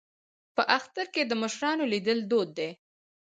په اختر کې د مشرانو لیدل دود دی.